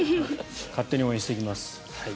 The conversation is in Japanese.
勝手に応援していきます。